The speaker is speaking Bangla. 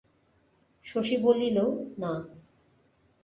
শশী বলিল, না।